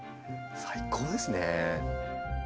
最高ですね。